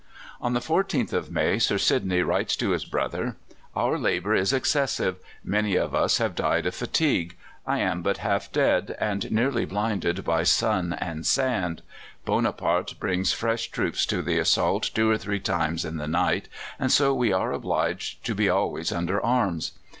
On the 14th of May Sir Sidney writes to his brother: "Our labour is excessive: many of us have died of fatigue. I am but half dead, and nearly blinded by sun and sand. Bonaparte brings fresh troops to the assault two or three times in the night, and so we are obliged to be always under arms.